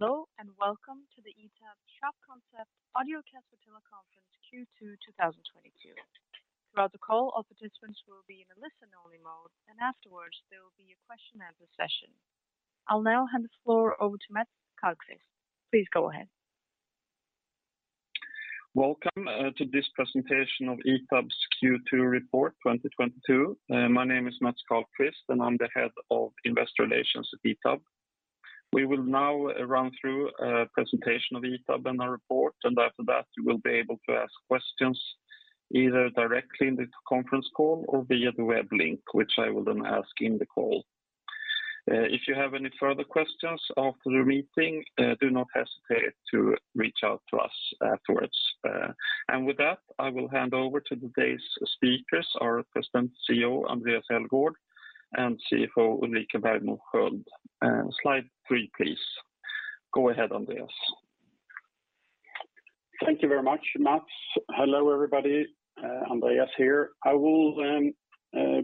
Hello, and welcome to the ITAB Shop Concept Audio Cast for Teleconference Q2 2022. Throughout the call, all participants will be in a listen-only mode, and afterwards, there will be a question-and-answer session. I'll now hand the floor over to Mats Karlqvist. Please go ahead. Welcome to this presentation of ITAB's Q2 report 2022. My name is Mats Karlqvist, and I'm the head of investor relations at ITAB. We will now run through a presentation of ITAB and our report, and after that, you will be able to ask questions either directly in the conference call or via the web link, which I will then ask in the call. If you have any further questions after the meeting, do not hesitate to reach out to us afterwards. With that, I will hand over to today's speakers, our President and CEO, Andréas Elgaard, and CFO Ulrika Bergmo Sköld. Slide three, please. Go ahead, Andréas. Thank you very much, Mats. Hello, everybody. Andréas here. I will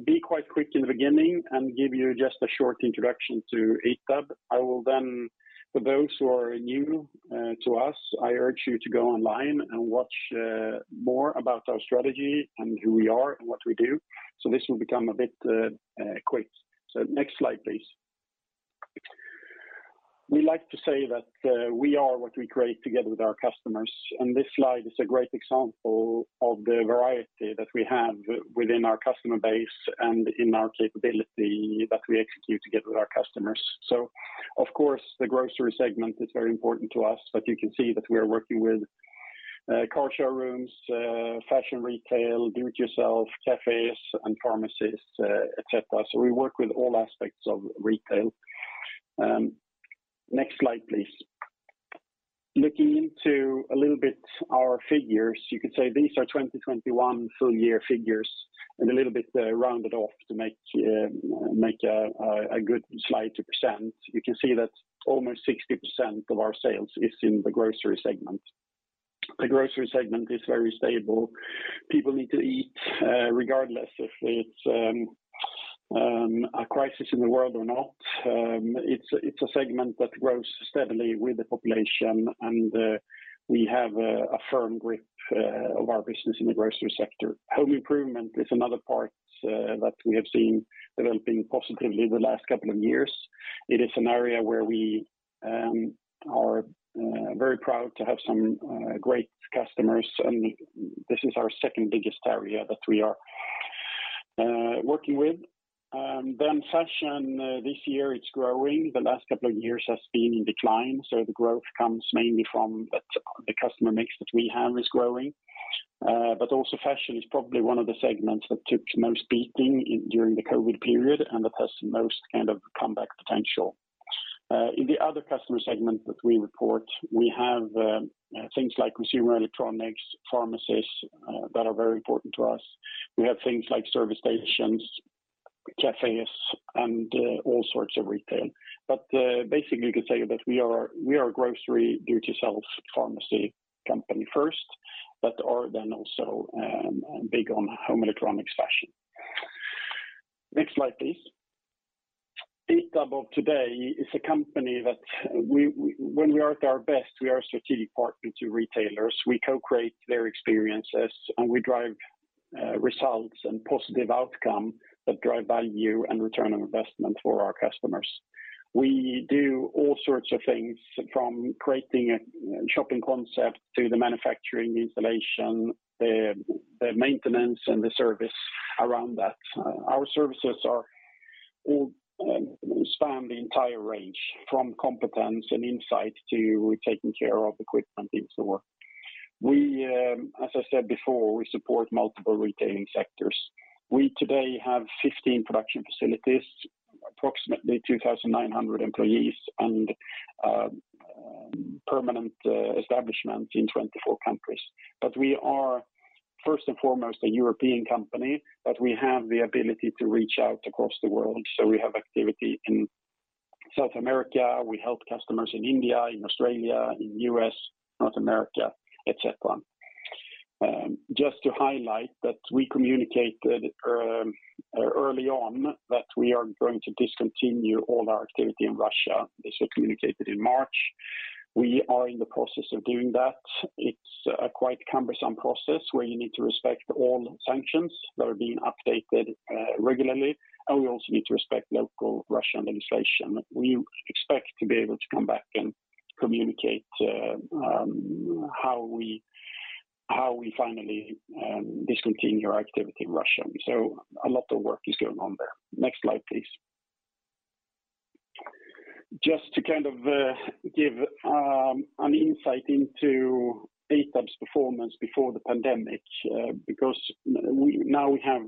be quite quick in the beginning and give you just a short introduction to ITAB. I will then. For those who are new to us, I urge you to go online and watch more about our strategy and who we are and what we do. This will become a bit quick. Next slide, please. We like to say that we are what we create together with our customers. This slide is a great example of the variety that we have within our customer base and in our capability that we execute together with our customers. Of course, the grocery segment is very important to us, but you can see that we are working with car showrooms, fashion retail, do it yourself, cafes and pharmacies, et cetera. We work with all aspects of retail. Next slide, please. Looking into a little bit our figures, you could say these are 2021 full year figures and a little bit rounded off to make a good slide to present. You can see that almost 60% of our sales is in the grocery segment. The grocery segment is very stable. People need to eat, regardless if it's a crisis in the world or not. It's a segment that grows steadily with the population and we have a firm grip of our business in the grocery sector. Home improvement is another part that we have seen developing positively the last couple of years. It is an area where we are very proud to have some great customers, and this is our second-biggest area that we are working with. Fashion this year it's growing. The last couple of years has been in decline, so the growth comes mainly from that the customer mix that we have is growing. Fashion is probably one of the segments that took the most beating during the COVID period and that has the most kind of comeback potential. In the other customer segment that we report, we have things like consumer electronics, pharmacies that are very important to us. We have things like service stations, cafes, and all sorts of retail. Basically you could say that we are a grocery do it yourself pharmacy company first, but are then also big on home electronics fashion. Next slide, please. ITAB of today is a company that when we are at our best, we are a strategic partner to retailers. We co-create their experiences, and we drive results and positive outcome that drive value and return on investment for our customers. We do all sorts of things, from creating a shopping concept to the manufacturing, installation, the maintenance and the service around that. Our services all span the entire range, from competence and insight to taking care of equipment and so on. We, as I said before, we support multiple retailing sectors. We today have 15 production facilities, approximately 2,900 employees and permanent establishment in 24 countries. We are first and foremost a European company, but we have the ability to reach out across the world. We have activity in South America, we help customers in India, in Australia, in U.S., North America, et cetera. Just to highlight that we communicated early on that we are going to discontinue all our activity in Russia. This was communicated in March. We are in the process of doing that. It's a quite cumbersome process where you need to respect all sanctions that are being updated regularly, and we also need to respect local Russian legislation. We expect to be able to come back and communicate how we finally discontinue our activity in Russia. A lot of work is going on there. Next slide, please. Just to kind of give an insight into ITAB's performance before the pandemic, because now we have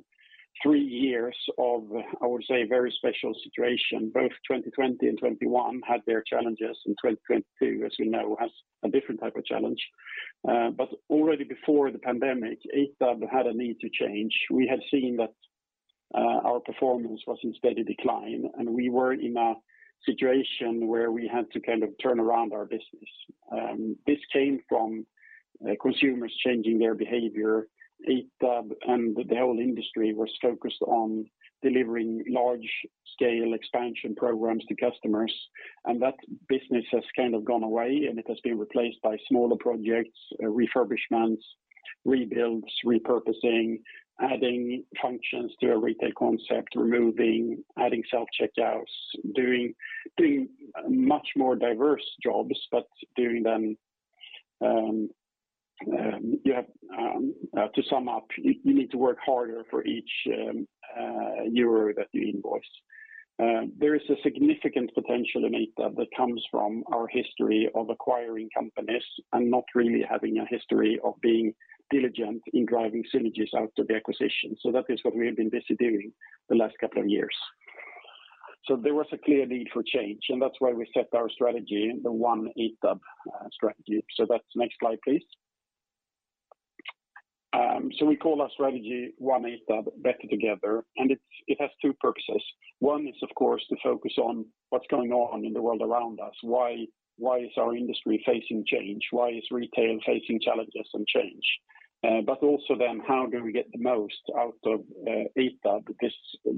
three years of, I would say, a very special situation. Both 2020 and 2021 had their challenges, and 2022, as you know, has a different type of challenge. Already before the pandemic, ITAB had a need to change. We had seen that our performance was in steady decline and we were in a situation where we had to kind of turn around our business. This came from consumers changing their behavior. ITAB and the whole industry was focused on delivering large-scale expansion programs to customers, and that business has kind of gone away, and it has been replaced by smaller projects, refurbishments, rebuilds, repurposing, adding functions to a retail concept, removing, adding self-checkouts, doing much more diverse jobs, but doing them, to sum up, you need to work harder for each euro that you invoice. There is a significant potential in ITAB that comes from our history of acquiring companies and not really having a history of being diligent in driving synergies out of the acquisition. That is what we have been busy doing the last couple of years. There was a clear need for change, and that's why we set our strategy the One ITAB strategy. That's next slide, please. We call our strategy One ITAB Better Together, and it has two purposes. One is, of course, to focus on what's going on in the world around us. Why is our industry facing change? Why is retail facing challenges and change? But also, how do we get the most out of ITAB, this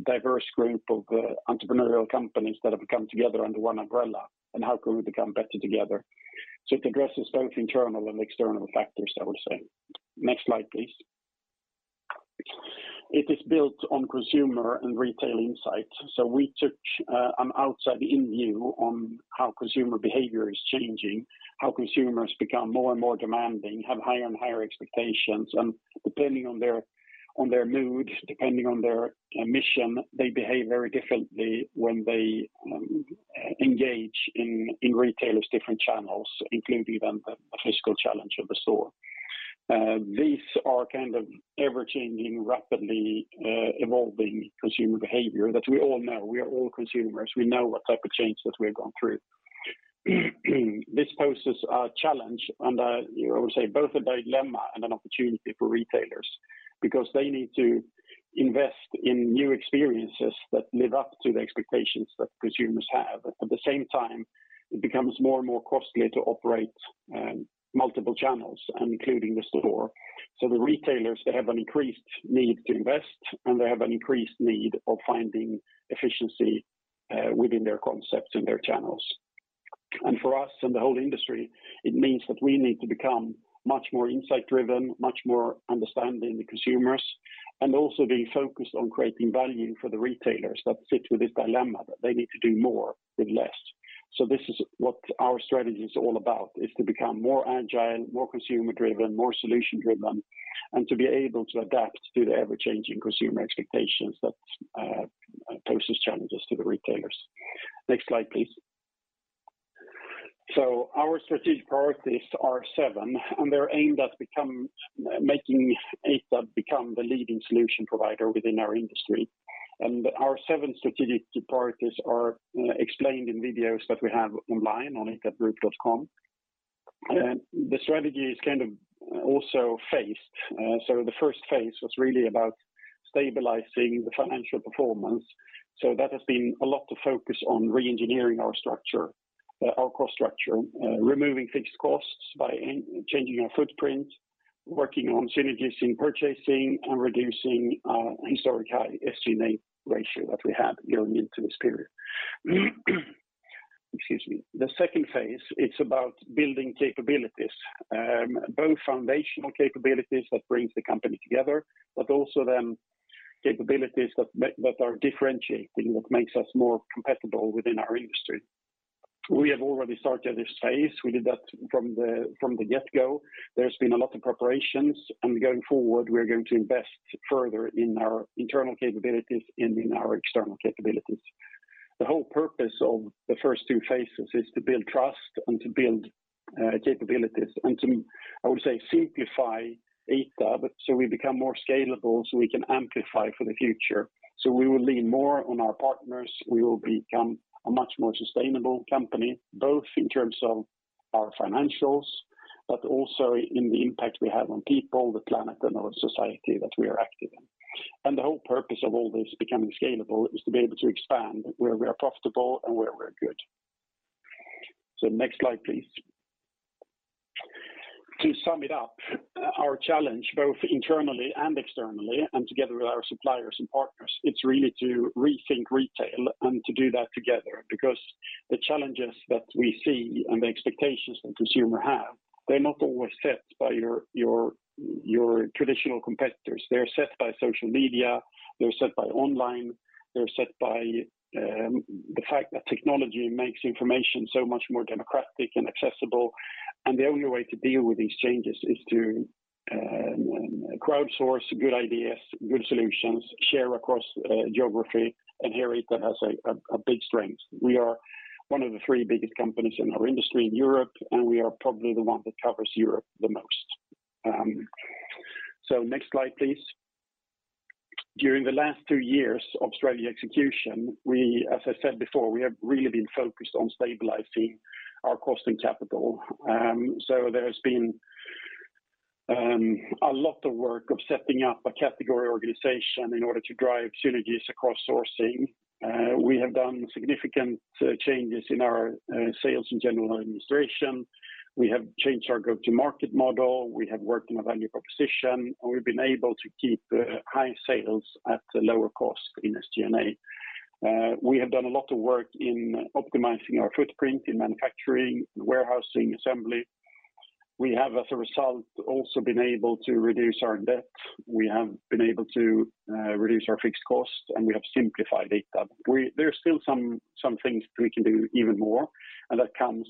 diverse group of entrepreneurial companies that have come together under one umbrella, and how can we become better together? It addresses both internal and external factors, I would say. Next slide, please. It is built on consumer and retail insights. We took an outside-in view on how consumer behavior is changing, how consumers become more and more demanding, have higher and higher expectations, and depending on their mood, depending on their mission, they behave very differently when they engage in retailers' different channels, including even the physical challenge of the store. These are kind of ever-changing, rapidly evolving consumer behavior that we all know. We are all consumers. We know what type of changes we're going through. This poses a challenge and I would say both a dilemma and an opportunity for retailers because they need to invest in new experiences that live up to the expectations that consumers have. At the same time, it becomes more and more costly to operate multiple channels, including the store. The retailers they have an increased need to invest, and they have an increased need of finding efficiency within their concepts and their channels. For us and the whole industry, it means that we need to become much more insight-driven, much more understanding the consumers, and also be focused on creating value for the retailers that sit with this dilemma, that they need to do more with less. This is what our strategy is all about, is to become more agile, more consumer-driven, more solution-driven, and to be able to adapt to the ever-changing consumer expectations that poses challenges to the retailers. Next slide, please. Our strategic priorities are seven, and they're aimed at making ITAB become the leading solution provider within our industry. Our seven strategic priorities are explained in videos that we have online on itabgroup.com. The strategy is kind of also phased. The first phase was really about stabilizing the financial performance. That has been a lot of focus on reengineering our structure, our cost structure, removing fixed costs by changing our footprint, working on synergies in purchasing and reducing our historic high SG&A ratio that we had going into this period. Excuse me. The second phase, it's about building capabilities, both foundational capabilities that brings the company together, but also then capabilities that are differentiating, what makes us more competitive within our industry. We have already started this phase. We did that from the get-go. There's been a lot of preparations, and going forward, we're going to invest further in our internal capabilities and in our external capabilities. The whole purpose of the first two phases is to build trust and to build capabilities and to I would say simplify ITAB so we become more scalable, so we can amplify for the future. We will lean more on our partners. We will become a much more sustainable company, both in terms of our financials, but also in the impact we have on people, the planet, and our society that we are active in. The whole purpose of all this becoming scalable is to be able to expand where we are profitable and where we're good. Next slide, please. To sum it up our challenge, both internally and externally and together with our suppliers and partners, it's really to rethink retail and to do that together because the challenges that we see and the expectations that consumer have, they're not always set by your traditional competitors. They're set by social media. They're set by online. They're set by the fact that technology makes information so much more democratic and accessible. The only way to deal with these changes is to crowdsource good ideas, good solutions, share across geography. Here, ITAB has a big strength. We are one of the three biggest companies in our industry in Europe, and we are probably the one that covers Europe the most. Next slide, please. During the last two years of strategy execution, we, as I said before, have really been focused on stabilizing our cost and capital. There's been a lot of work of setting up a category organization in order to drive synergies across sourcing. We have done significant changes in our sales and general administration. We have changed our go-to market model. We have worked in a value proposition, and we've been able to keep high sales at a lower cost in SG&A. We have done a lot of work in optimizing our footprint in manufacturing, warehousing, assembly. We have, as a result, also been able to reduce our debt. We have been able to reduce our fixed costs, and we have simplified ITAB. There are still some things we can do even more, and that comes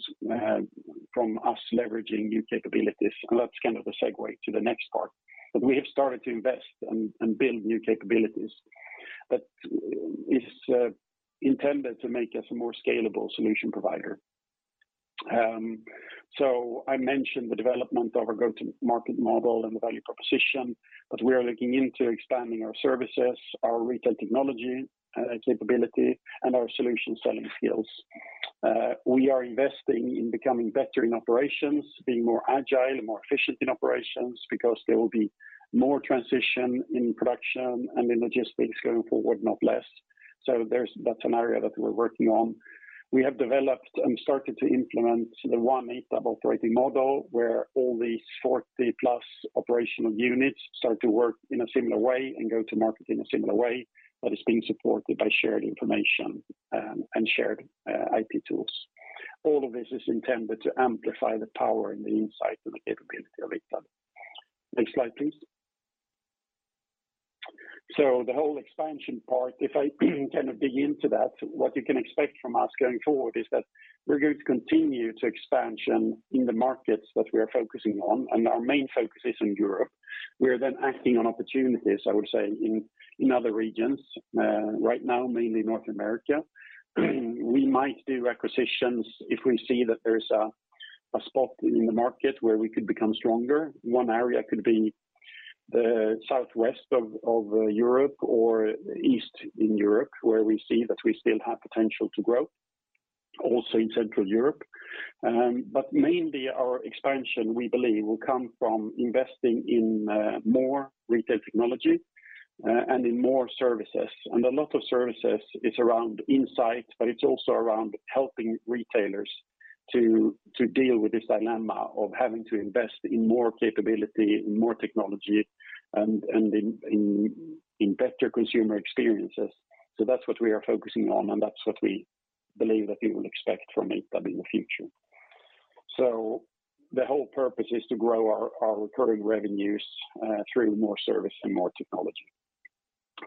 from us leveraging new capabilities. That's kind of a segue to the next part. That we have started to invest and build new capabilities that is intended to make us a more scalable solution provider. I mentioned the development of our go-to market model and the value proposition, but we are looking into expanding our services, our retail technology capability, and our solution selling skills. We are investing in becoming better in operations, being more agile and more efficient in operations because there will be more transition in production and in logistics going forward not less. There's that scenario that we're working on. We have developed and started to implement the One ITAB operating model, where all these 40+ operational units start to work in a similar way and go to market in a similar way, but it's being supported by shared information and shared IT tools. All of this is intended to amplify the power and the insight and the capability of ITAB. Next slide, please. The whole expansion part, if I kind of dig into that what you can expect from us going forward is that we're going to continue to expansion in the markets that we are focusing on, and our main focus is on Europe. We are then acting on opportunities, I would say, in other regions right now mainly North America. We might do acquisitions if we see that there's a spot in the market where we could become stronger. One area could be the southwest of Europe or Eastern Europe, where we see that we still have potential to grow, also in Central Europe. Mainly our expansion, we believe, will come from investing in more retail technology and in more services. A lot of services is around insight, but it's also around helping retailers to deal with this dilemma of having to invest in more capability, in more technology and in better consumer experiences. That's what we are focusing on, and that's what we believe that you will expect from Axfood in the future. The whole purpose is to grow our recurring revenues through more service and more technology.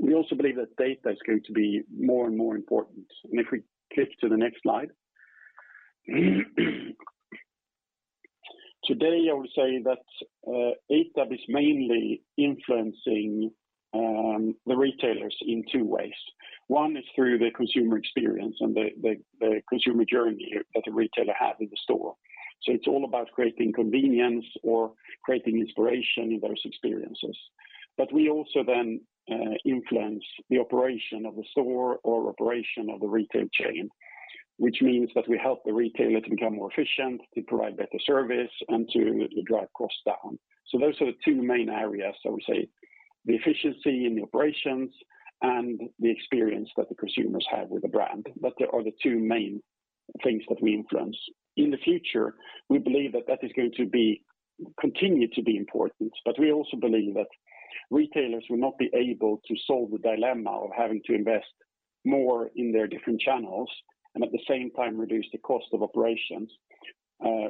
We also believe that data is going to be more and more important. If we skip to the next slide. Today, I would say that Axfood is mainly influencing the retailers in two ways. One is through the consumer experience and the consumer journey that the retailer have in the store. It's all about creating convenience or creating inspiration in those experiences. We also influence the operation of the store or operation of the retail chain, which means that we help the retailer to become more efficient, to provide better service and to drive costs down. Those are the two main areas, I would say, the efficiency in the operations and the experience that the consumers have with the brand. That are the two main things that we influence. In the future, we believe that is going to be, continue to be important, but we also believe that retailers will not be able to solve the dilemma of having to invest more in their different channels and at the same time reduce the cost of operations,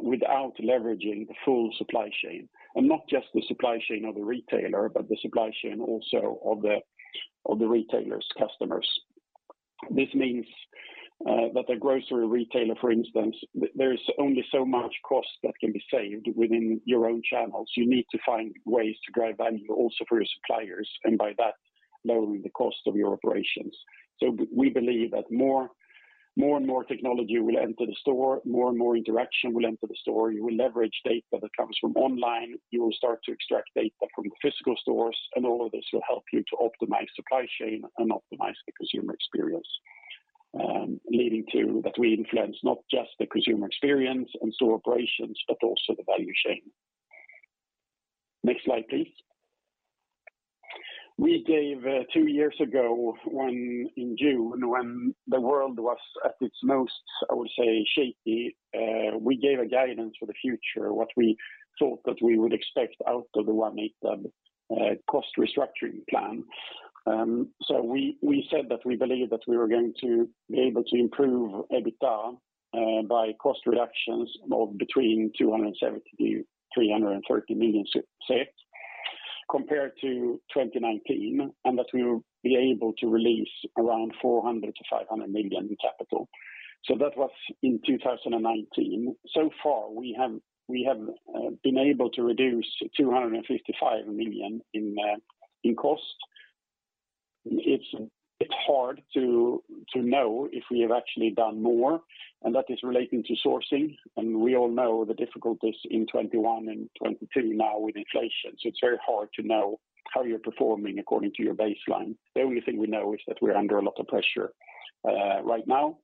without leveraging the full supply chain, and not just the supply chain of the retailer, but the supply chain also of the, of the retailer's customers. This means, that the grocery retailer, for instance, there is only so much cost that can be saved within your own channels. You need to find ways to drive value also for your suppliers, and by that, lowering the cost of your operations. We believe that more and more technology will enter the store, more and more interaction will enter the store. You will leverage data that comes from online. You will start to extract data from the physical stores, and all of this will help you to optimize supply chain and optimize the consumer experience. Leading to that we influence not just the consumer experience and store operations, but also the value chain. Next slide, please. Two years ago in June, when the world was at its most shaky, I would say, we gave guidance for the future, what we thought that we would expect out of the One ITAB cost restructuring plan. We said that we believe that we were going to be able to improve EBITDA by cost reductions of between 270-330 million SEK compared to 2019, and that we will be able to release around 400-500 million SEK in capital. That was in 2019. So far, we have been able to reduce 255 million in cost. It's hard to know if we have actually done more, and that is relating to sourcing. We all know the difficulties in 2021 and 2022 now with inflation. It's very hard to know how you're performing according to your baseline. The only thing we know is that we're under a lot of pressure right now.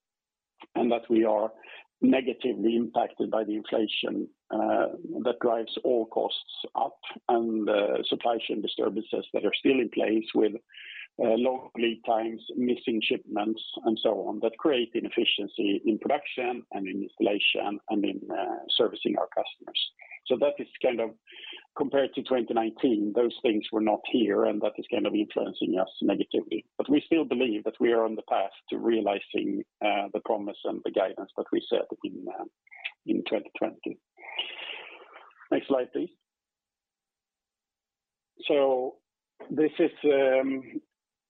That we are negatively impacted by the inflation that drives all costs up and supply chain disturbances that are still in place with long lead times, missing shipments and so on, that create inefficiency in production and in installation and in servicing our customers. That is kind of compared to 2019, those things were not here, and that is kind of influencing us negatively. We still believe that we are on the path to realizing the promise and the guidance that we set in 2020. Next slide, please. This is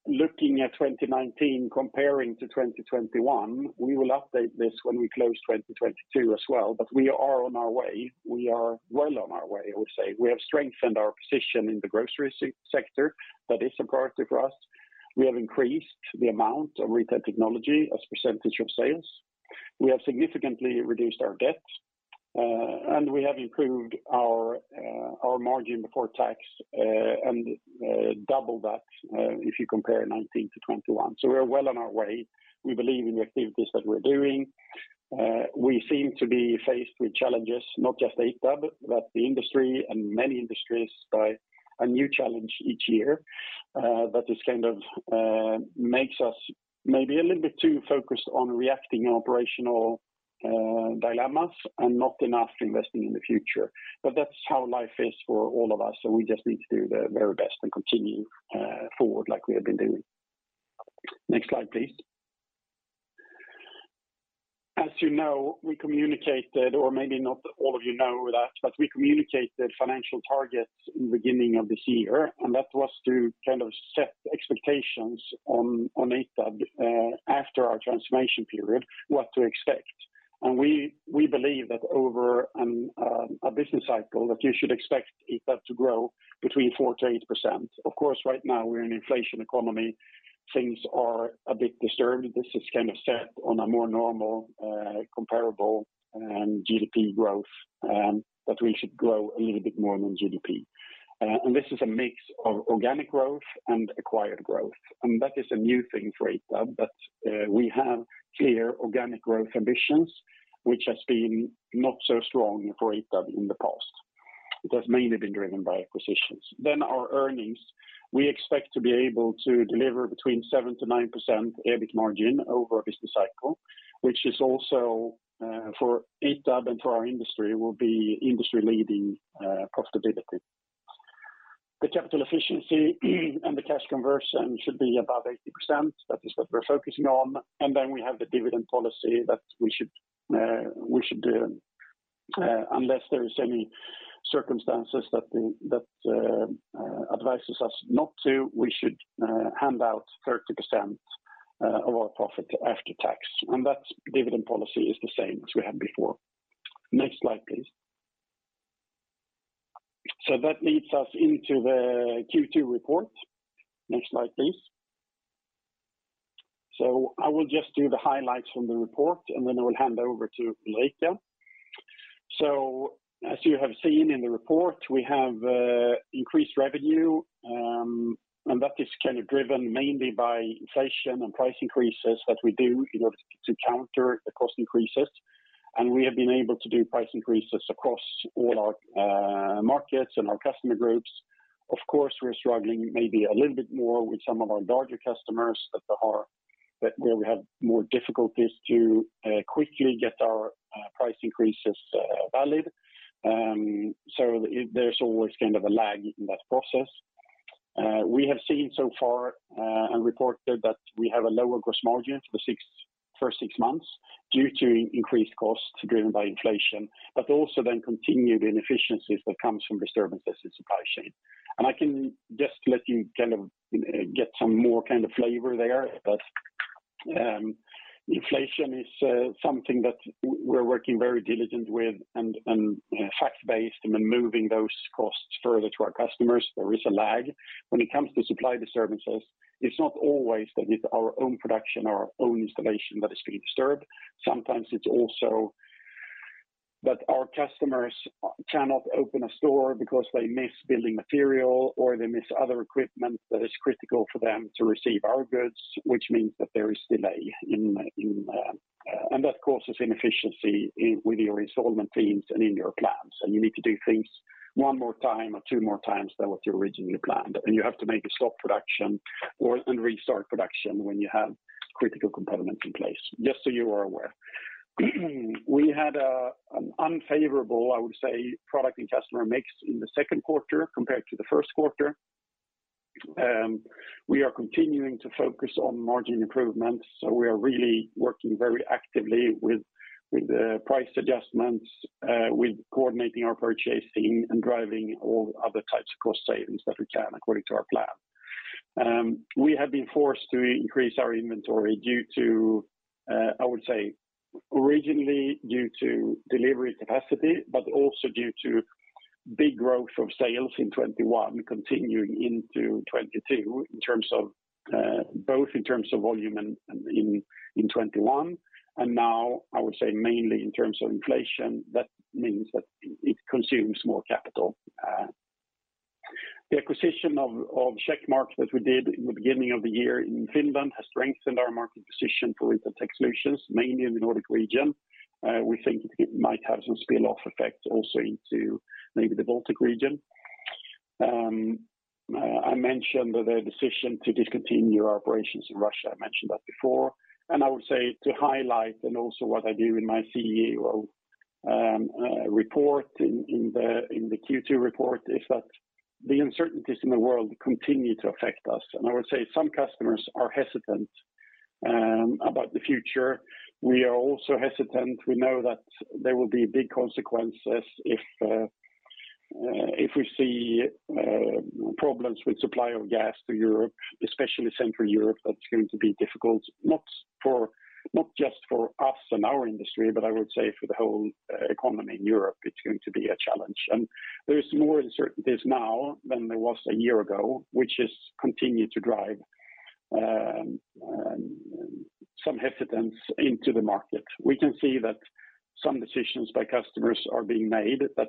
looking at 2019 comparing to 2021. We will update this when we close 2022 as well, but we are on our way. We are well on our way, I would say. We have strengthened our position in the grocery sector. That is important for us. We have increased the amount of retail technology as a percentage of sales. We have significantly reduced our debt, and we have improved our margin before tax, and double that if you compare 2019 to 2021. We're well on our way. We believe in the activities that we're doing. We seem to be faced with challenges, not just ITAB, but the industry and many industries by a new challenge each year, that is kind of makes us maybe a little bit too focused on reacting operational dilemmas and not enough investing in the future. That's how life is for all of us, so we just need to do the very best and continue forward like we have been doing. Next slide, please. As you know, we communicated, or maybe not all of you know that, but we communicated financial targets in the beginning of this year, and that was to kind of set expectations on ITAB after our transformation period, what to expect. We believe that over a business cycle, you should expect ITAB to grow between 4%-8%. Of course, right now we're in inflationary economy. Things are a bit disturbed. This is kind of set on a more normal, comparable GDP growth that we should grow a little bit more than GDP. This is a mix of organic growth and acquired growth. That is a new thing for ITAB, but we have clear organic growth ambitions, which has been not so strong for ITAB in the past. It has mainly been driven by acquisitions. Our earnings, we expect to be able to deliver between 7%-9% EBIT margin over a business cycle, which is also for ITAB and for our industry, will be industry-leading profitability. The capital efficiency and the cash conversion should be above 80%. That is what we're focusing on. We have the dividend policy that we should, unless there is any circumstances that advises us not to, we should hand out 30% of our profit after tax. That dividend policy is the same as we had before. Next slide, please. That leads us into the Q2 report. Next slide, please. I will just do the highlights from the report, and then I will hand over to Ulrika. As you have seen in the report, we have increased revenue, and that is kind of driven mainly by inflation and price increases that we do in order to counter the cost increases. We have been able to do price increases across all our markets and our customer groups. Of course, we're struggling maybe a little bit more with some of our larger customers where we have more difficulties to quickly get our price increases valid. There's always kind of a lag in that process. We have seen so far and reported that we have a lower gross margin for first six months due to increased costs driven by inflation, but also then continued inefficiencies that comes from disturbances in supply chain. I can just let you kind of get some more kind of flavor there. Inflation is something that we're working very diligent with and fact based and then moving those costs further to our customers. There is a lag. When it comes to supply disturbances, it's not always that it's our own production or our own installation that is being disturbed. Sometimes it's also that our customers cannot open a store because they miss building material or they miss other equipment that is critical for them to receive our goods, which means that there is delay in. That causes inefficiency with your installation teams and in your plans. You need to do things one more time or two more times than what you originally planned. You have to make a stop production and restart production when you have critical components in place, just so you are aware. We had an unfavorable, I would say, product and customer mix in the Q2 compared to the Q1. We are continuing to focus on margin improvements, so we are really working very actively with the price adjustments, with coordinating our purchasing and driving all other types of cost savings that we can according to our plan. We have been forced to increase our inventory due to, I would say originally due to delivery capacity, but also due to big growth of sales in 2021 continuing into 2022 in terms of both in terms of volume and in 2021, and now I would say mainly in terms of inflation. That means that it consumes more capital. The acquisition of Oy Checkmark Ltd that we did in the beginning of the year in Finland has strengthened our market position for retail tech solutions, mainly in the Nordic region. We think it might have some spillover effects also into maybe the Baltic region. I mentioned the decision to discontinue our operations in Russia, I mentioned that before. I would say to highlight, and also what I do in my CEO report in the Q2 report, is that the uncertainties in the world continue to affect us. I would say some customers are hesitant about the future. We are also hesitant. We know that there will be big consequences if we see problems with supply of gas to Europe, especially Central Europe, that's going to be difficult, not just for us and our industry, but I would say for the whole economy in Europe, it's going to be a challenge. There's more uncertainties now than there was a year ago, which has continued to drive some hesitance into the market. We can see that some decisions by customers are being made, but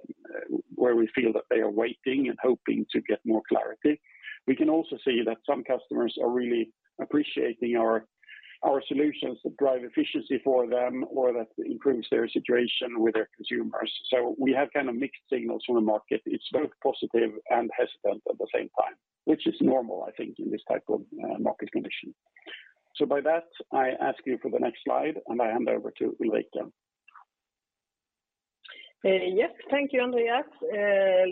where we feel that they are waiting and hoping to get more clarity. We can also see that some customers are really appreciating our solutions that drive efficiency for them or that improves their situation with their consumers. We have kind of mixed signals from the market. It's both positive and hesitant at the same time, which is normal, I think, in this type of market condition. By that, I ask you for the next slide, and I hand over to Ulrika. Yes. Thank you, Andréas.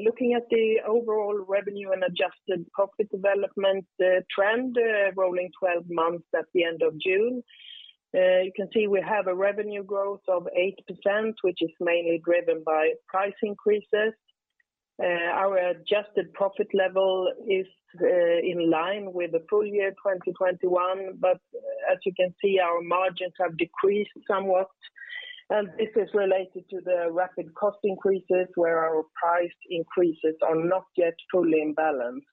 Looking at the overall revenue and adjusted profit development, trend, rolling 12 months at the end of June, you can see we have a revenue growth of 8%, which is mainly driven by price increases. Our adjusted profit level is in line with the full year 2021, but as you can see, our margins have decreased somewhat, and this is related to the rapid cost increases where our price increases are not yet fully in balance.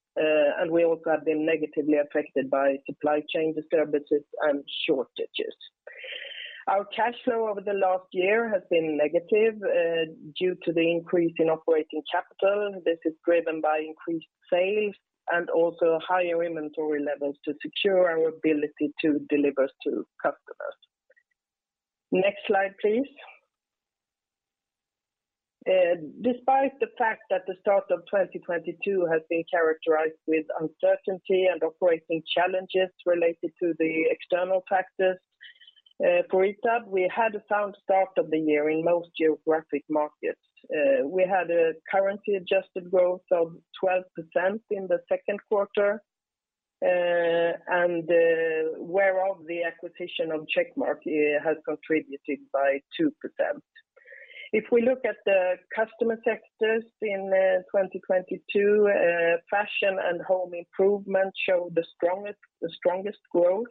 We also have been negatively affected by supply chain disturbances and shortages. Our cash flow over the last year has been negative due to the increase in operating capital. This is driven by increased sales and also higher inventory levels to secure our ability to deliver to customers. Next slide, please. Despite the fact that the start of 2022 has been characterized with uncertainty and operating challenges related to the external factors, for ITAB, we had a sound start of the year in most geographic markets. We had a currency adjusted growth of 12% in the second quarter, and whereof the acquisition of Checkmark has contributed by 2%. If we look at the customer sectors in 2022, fashion and home improvement show the strongest growth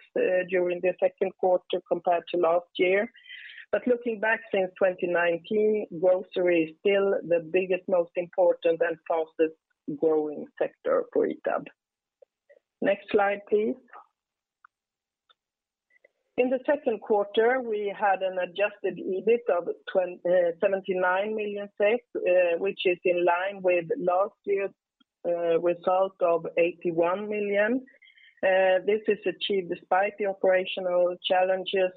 during the second quarter compared to last year. Looking back since 2019, grocery is still the biggest, most important and fastest growing sector for ITAB. Next slide, please. In the second quarter, we had an adjusted EBIT of 79 million, which is in line with last year's result of 81 million. This is achieved despite the operational challenges,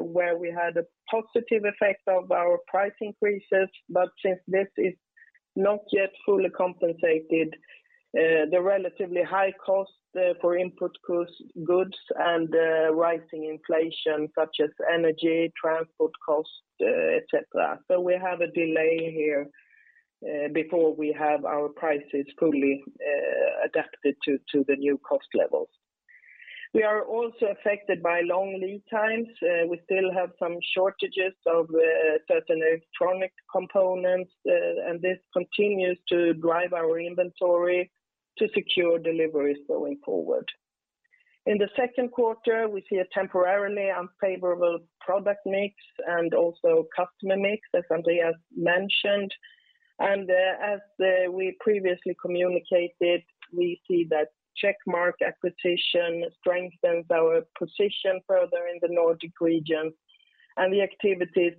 where we had a positive effect of our price increases. Since this is not yet fully compensated, the relatively high cost for input cost goods and rising inflation such as energy, transport costs, et cetera. We have a delay here, before we have our prices fully adapted to the new cost levels. We are also affected by long lead times. We still have some shortages of certain electronic components, and this continues to drive our inventory to secure deliveries going forward. In the second quarter, we see a temporarily unfavorable product mix and also customer mix, as Andréas mentioned. As we previously communicated, we see that Checkmark acquisition strengthens our position further in the Nordic region and the activities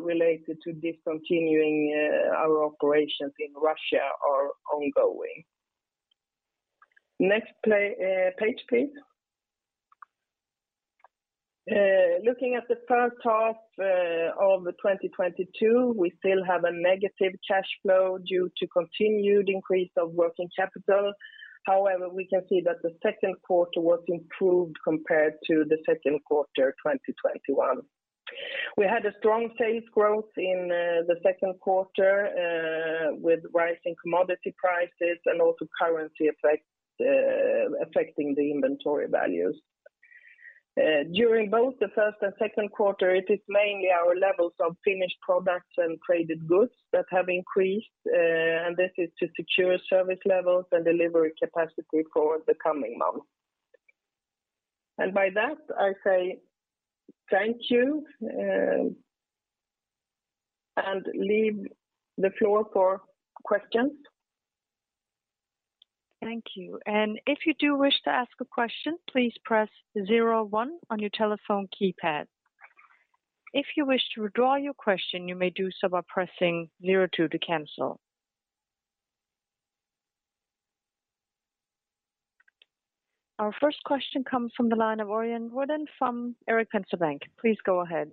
related to discontinuing our operations in Russia are ongoing. Next page, please. Looking at the first half of 2022, we still have a negative cash flow due to continued increase of working capital. However, we can see that the second quarter was improved compared to the second quarter 2021. We had a strong sales growth in the second quarter with rising commodity prices and also currency effects affecting the inventory values. During both the first and second quarter, it is mainly our levels of finished products and traded goods that have increased and this is to secure service levels and delivery capacity for the coming months. By that, I say thank you, and leave the floor for questions. Thank you. If you do wish to ask a question, please press zero one on your telephone keypad. If you wish to withdraw your question, you may do so by pressing zero two to cancel. Our first question comes from the line of Orion Gordon from Erik Penser Bank. Please go ahead.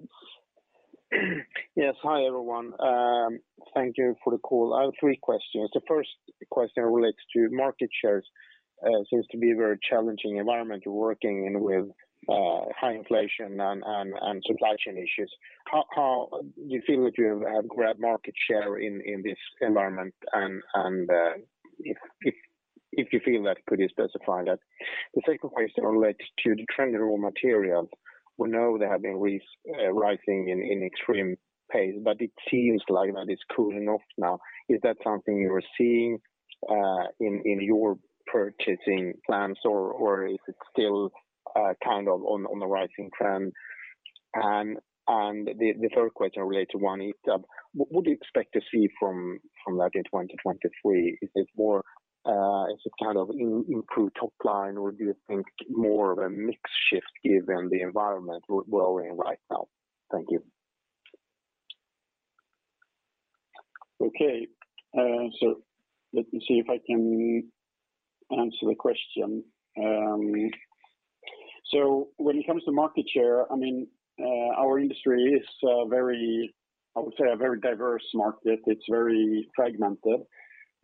Yes. Hi everyone. Thank you for the call. I have three questions. The first question relates to market shares. It seems to be a very challenging environment working in with high inflation and supply chain issues. How do you feel that you have grabbed market share in this environment, and if you feel that could you specify that. The second question relates to the trend of raw materials. We know they have been rising in extreme pace, but it seems like that is cooling off now. Is that something you are seeing in your purchasing plans or is it still kind of on the rising trend? The third question relates to One ITAB. What do you expect to see from that in 2023? Is it more, is it kind of improved top line or do you think more of a mix shift given the environment we're in right now? Thank you. Okay, let me see if I can answer the question. When it comes to market share, I mean, our industry is, I would say, a very diverse market. It's very fragmented.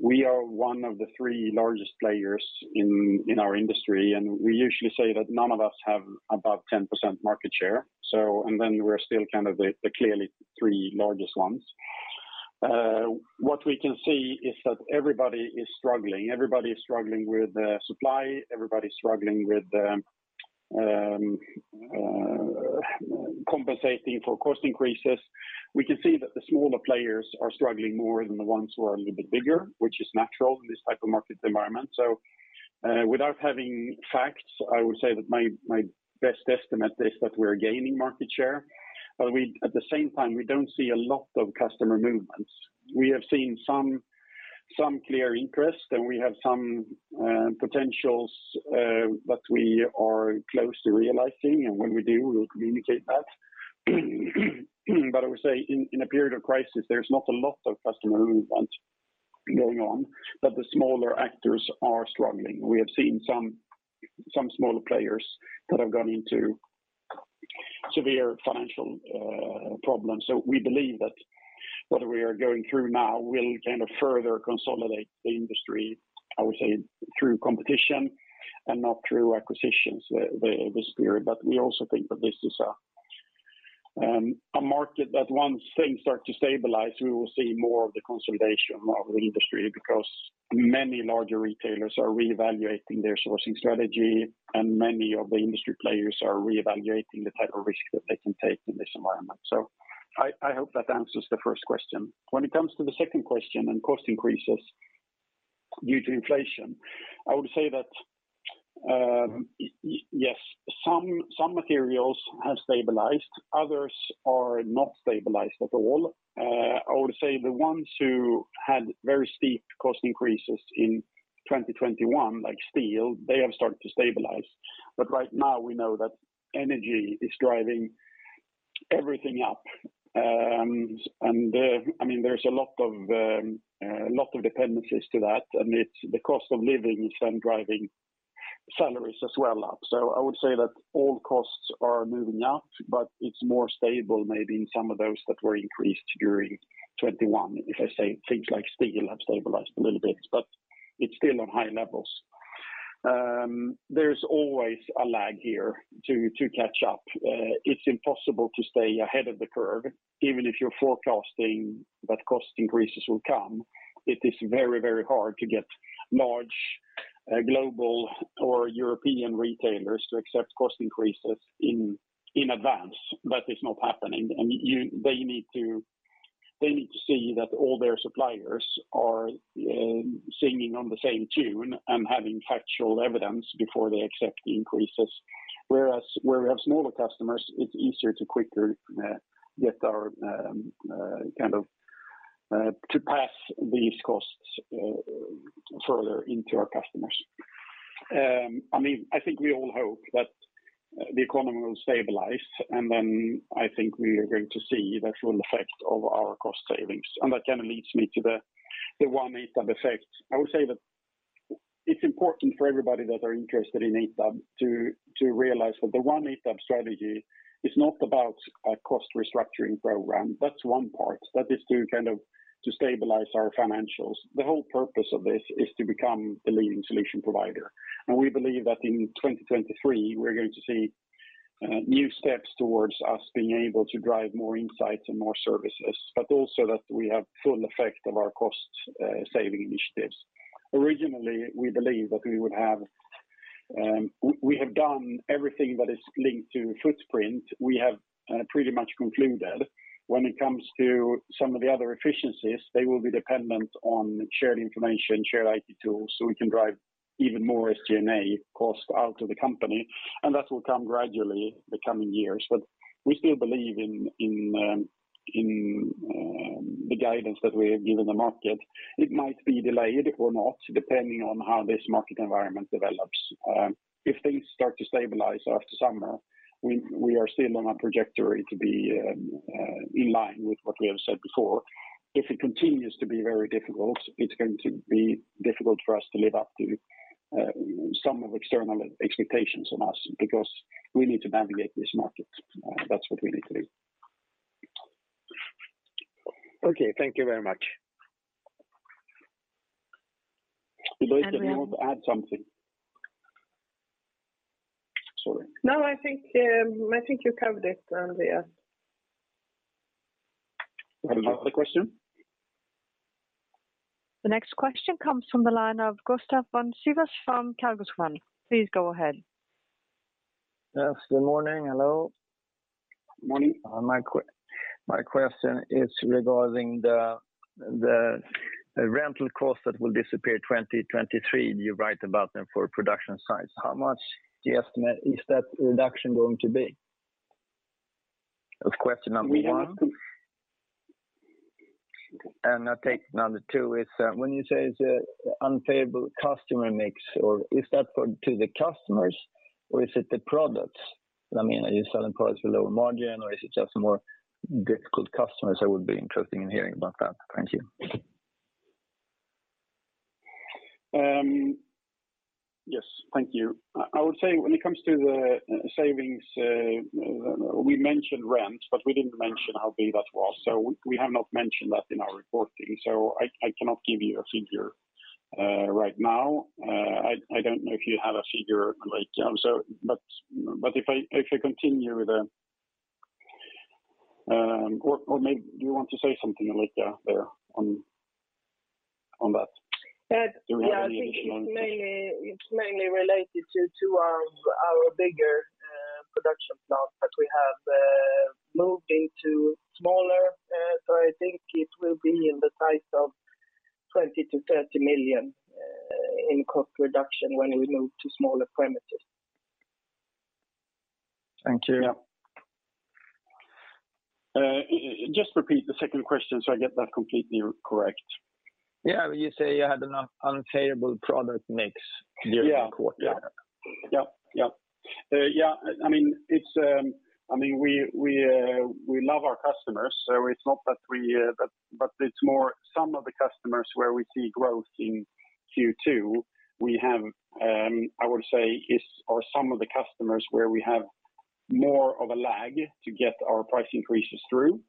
We are one of the three largest players in our industry, and we usually say that none of us have about 10% market share. We're still kind of the clearly three largest ones. What we can see is that everybody is struggling with supply and compensating for cost increases. We can see that the smaller players are struggling more than the ones who are a little bit bigger, which is natural in this type of market environment. Without having facts, I would say that my best estimate is that we're gaining market share. At the same time, we don't see a lot of customer movements. We have seen some clear interest, and we have some potentials that we are close to realizing, and when we do, we'll communicate that. I would say in a period of crisis, there's not a lot of customer movement going on, but the smaller actors are struggling. We have seen some smaller players that have gone into severe financial problems. We believe that what we are going through now will kind of further consolidate the industry, I would say, through competition and not through acquisitions this period. We also think that this is a market that once things start to stabilize, we will see more of the consolidation of industry because many larger retailers are reevaluating their sourcing strategy, and many of the industry players are reevaluating the type of risk that they can take in this environment. I hope that answers the first question. When it comes to the second question on cost increases due to inflation, I would say that yes, some materials have stabilized, others are not stabilized at all. I would say the ones who had very steep cost increases in 2021, like steel, they have started to stabilize. Right now we know that energy is driving everything up. I mean, there's a lot of dependencies to that, and it's the cost of living is then driving salaries as well up. I would say that all costs are moving up, but it's more stable maybe in some of those that were increased during 2021. If I say things like steel have stabilized a little bit, but it's still on high levels. There's always a lag here to catch up. It's impossible to stay ahead of the curve, even if you're forecasting that cost increases will come. It is very, very hard to get large global or European retailers to accept cost increases in advance. That is not happening. They need to see that all their suppliers are singing on the same tune and having factual evidence before they accept the increases. Whereas with smaller customers, it's easier, quicker to pass these costs further into our customers. I mean, I think we all hope that the economy will stabilize, and then I think we are going to see the full effect of our cost savings. That kind of leads me to the One ITAB effect. I would say that it's important for everybody that are interested in ITAB to realize that the One ITAB strategy is not about a cost restructuring program. That's one part. That is to kind of stabilize our financials. The whole purpose of this is to become the leading solution provider. We believe that in 2023, we're going to see new steps towards us being able to drive more insights and more services, but also that we have full effect of our cost saving initiatives. Originally, we believe that we would have. We have done everything that is linked to footprint. We have pretty much concluded when it comes to some of the other efficiencies, they will be dependent on shared information, shared IT tools, so we can drive even more SG&A cost out of the company, and that will come gradually the coming years. We still believe in the guidance that we have given the market, it might be delayed or not, depending on how this market environment develops. If things start to stabilize after summer, we are still on a trajectory to be in line with what we have said before. If it continues to be very difficult, it's going to be difficult for us to live up to some of external expectations on us because we need to navigate this market. That's what we need to do. Okay. Thank you very much. Ulrika, do you want to add something? Sorry. No, I think you covered it, yeah. Any other question? The next question comes from the line of Gustaf von Schantz from Kepler Cheuvreux. Please go ahead. Yes, good morning. Hello. Morning. My question is regarding the rental cost that will disappear 2023. You write about them on the production side. How much do you estimate is that reduction going to be? That's question number one. I take number two is, when you say it's an unfavorable customer mix, or is that to the customers or is it the products? I mean, are you selling products with lower margin or is it just more difficult customers? I would be interested in hearing about that. Thank you. Yes, thank you. I would say when it comes to the savings, we mentioned rent, but we didn't mention how big that was. We have not mentioned that in our reporting, so I cannot give you a figure right now. I don't know if you have a figure, Ulrika. If I continue then, or do you want to say something, Ulrika, there on that? Yeah. I think it's mainly related to our bigger production plant that we have moved into smaller. I think it will be in the size of 20 million-30 million in cost reduction when we move to smaller premises. Thank you. Yeah. Just repeat the second question so I get that completely correct. Yeah. You say you had an unfavorable product mix during the quarter. I mean, we love our customers, so it's not that we. It's more some of the customers where we see growth in Q2, we have I would say are some of the customers where we have more of a lag to get our price increases through,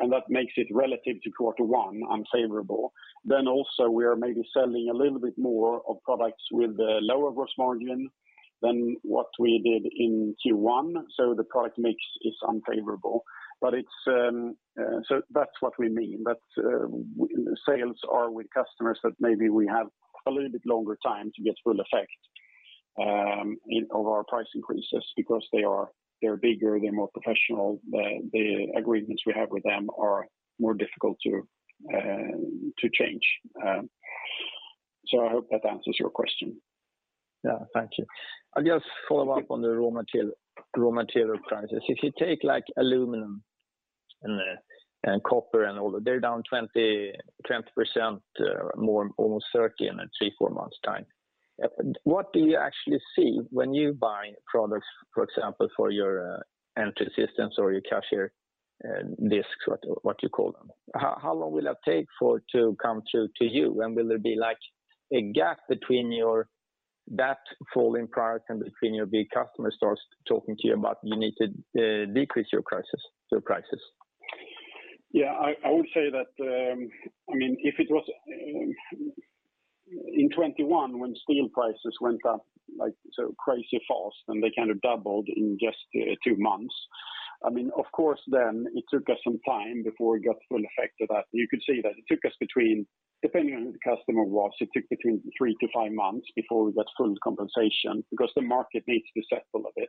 and that makes it relative to quarter one unfavorable. Also we are maybe selling a little bit more of products with a lower gross margin than what we did in Q1. The product mix is unfavorable. It's. That's what we mean. Sales are with customers that maybe we have a little bit longer time to get full effect of our price increases because they are bigger, more professional. The agreements we have with them are more difficult to change. I hope that answers your question. Yeah. Thank you. I'll just follow up on the raw material prices. If you take like aluminum and copper and all, they're down 20%, more almost 30% in a 3-4 months time. What do you actually see when you buy products, for example, for your entry systems or your cashier desks, what you call them? How long will that take for to come through to you? Will there be like a gap between your that falling product and between your big customer starts talking to you about you need to decrease your prices? Yeah, I would say that, I mean if it was in 2021 when steel prices went up like so crazy fast and they kind of doubled in just two months, I mean, of course then it took us some time before we got full effect of that. You could see that, depending on who the customer was, it took us between three to five months before we got full compensation because the market needs to settle a bit.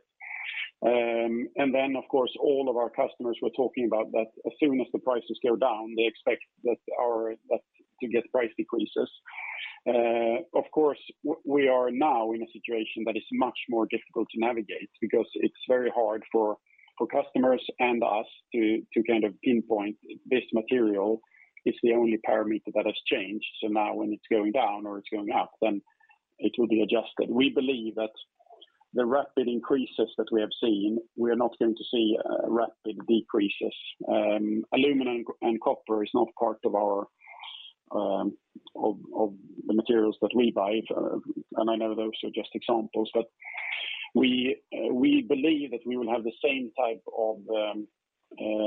Of course, all of our customers were talking about that as soon as the prices go down, they expect that our that to get price decreases. Of course, we are now in a situation that is much more difficult to navigate because it's very hard for customers and us to kind of pinpoint this material is the only parameter that has changed. Now when it's going down or it's going up, then it will be adjusted. We believe that the rapid increases that we have seen, we are not going to see rapid decreases. Aluminum and copper is not part of our of the materials that we buy. I know those are just examples, but we believe that we will have the same type of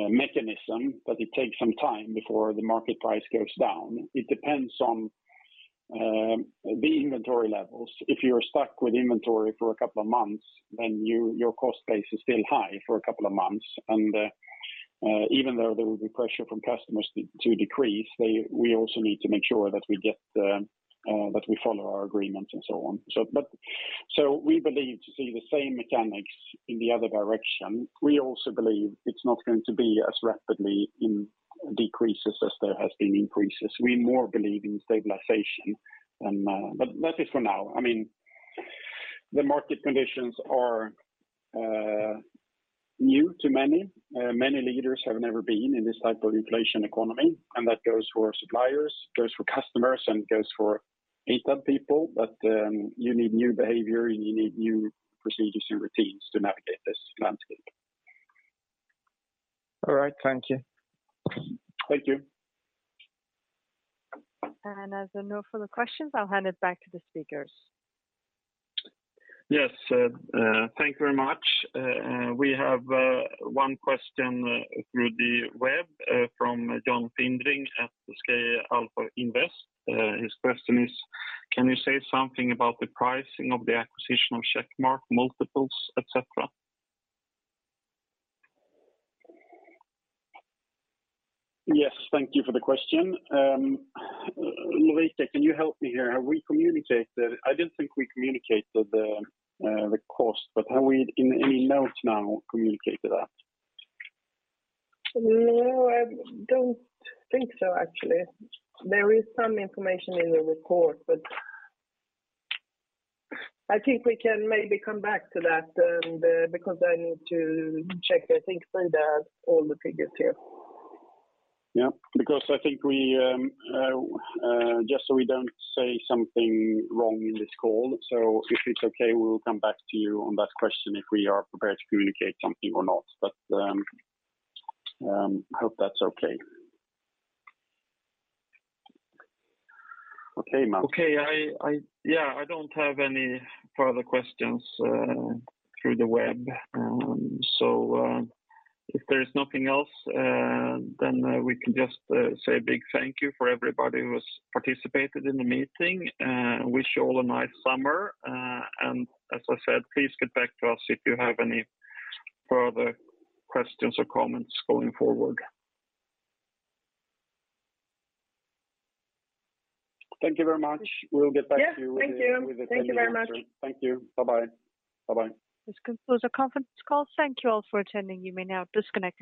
mechanism, but it takes some time before the market price goes down. It depends on the inventory levels. If you're stuck with inventory for a couple of months, then your cost base is still high for a couple of months. Even though there will be pressure from customers to decrease, we also need to make sure that we follow our agreements and so on. We believe to see the same mechanics in the other direction. We also believe it's not going to be as rapidly in decreases as there has been increases. We more believe in stabilization. That is for now. The market conditions are new to many. Many leaders have never been in this type of inflation economy, and that goes for suppliers, goes for customers, and goes for ITAB people. You need new behavior, and you need new procedures and routines to navigate this landscape. All right. Thank you. Thank you. As there are no further questions, I'll hand it back to the speakers. Yes, thank you very much. We have one question through the web from Johan Filling at SK Alpha Invest. His question is Can you say something about the pricing of the acquisition of Checkmark multiples, et cetera? Yes. Thank you for the question. Ulrika Bergmo Sköld, can you help me here? Have we communicated? I didn't think we communicated the cost, but have we in any notes now communicated that? No, I don't think so, actually. There is some information in the report, but I think we can maybe come back to that and, because I need to check. I think Filling has all the figures here. Yeah. I think we just so we don't say something wrong in this call, so if it's okay, we'll come back to you on that question if we are prepared to communicate something or not. Hope that's okay. Okay, Mats. Okay. Yeah, I don't have any further questions through the web. If there is nothing else, then we can just say a big thank you for everybody who has participated in the meeting, wish you all a nice summer. As I said, please get back to us if you have any further questions or comments going forward. Thank you very much. We'll get back to you. Yeah. Thank you. with a definitive answer. Thank you very much. Thank you. Bye-bye. This concludes the conference call. Thank you all for attending. You may now disconnect your lines.